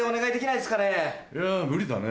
いや無理だね。